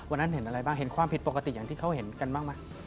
วันนั้นเห็นอะไรบ้างเห็นความผิดปกติอย่างที่เขาเห็นกันบ้างไหม